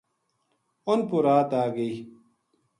اُنھ پو رات آ گئی